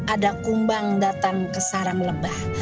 ada kumbang datang ke sarang lebah